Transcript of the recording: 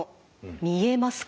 見えますか？